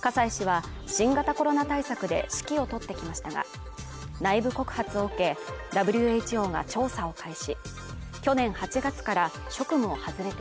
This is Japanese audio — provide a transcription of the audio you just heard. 葛西氏は新型コロナ対策で指揮を執ってきましたが、内部告発を受け、ＷＨＯが調査を開始。